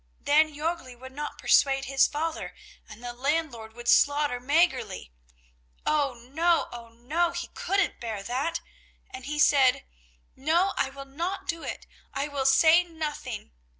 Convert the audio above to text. Then Jörgli would not persuade his father, and the landlord would slaughter Mäggerli. Oh, no! Oh, no! he couldn't bear that, and he said: "No, I will not do it! I will say nothing!"